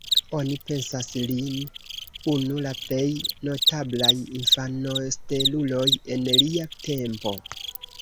Oni pensas lin unu la plej notablaj infanosteluloj en lia tempo.